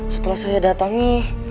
setelah saya datangi